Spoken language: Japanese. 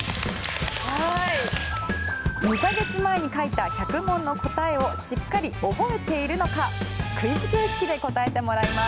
２ヶ月前に書いた１００問の答えをしっかり覚えているのかクイズ形式で答えてもらいます。